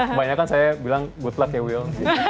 kebanyakan saya bilang good luck ya will